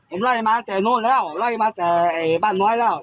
ผมไล่มาแต่นู้นแล้วไล่มาแต่บ้านร้อยแล้ว